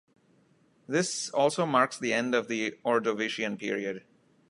This also marks the end of the Ordovician period.